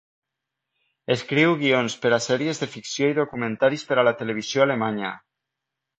Escriu guions per a sèries de ficció i documentaris per a la televisió alemanya.